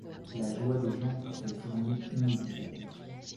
la joie des gens pour cette journée inoubliable